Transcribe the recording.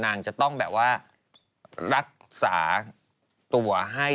นางจะต้องแบบว่ารักษาตัวให้